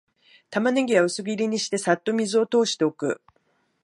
タマネギは薄切りにして、さっと水を通しておく